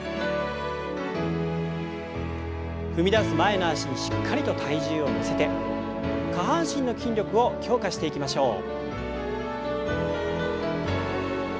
踏み出す前の脚にしっかりと体重を乗せて下半身の筋力を強化していきましょう。